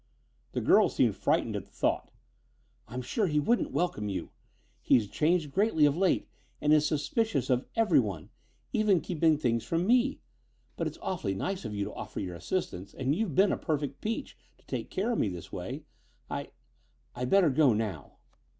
The girl seemed frightened at the thought. "I'm sure he wouldn't welcome you. He's changed greatly of late and is suspicious of everyone, even keeping things from me. But it's awfully nice of you to offer your assistance, and you've been a perfect peach to take care of me this way. I I'd better go now."